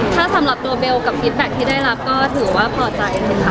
ถ้าสำหรับตัวเบลกับฟิตแบ็คที่ได้รับก็ถือว่าพอใจนะคะ